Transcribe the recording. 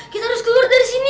kita harus keluar dari sini